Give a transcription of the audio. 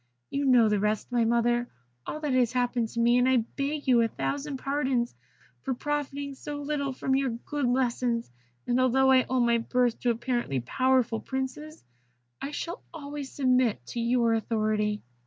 You know the rest, my mother all that has happened to me, and I beg you a thousand pardons for profiting so little from your good lessons; and although I owe my birth to apparently powerful princes, I shall always submit to your authority."